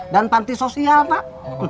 dan panti sosial pak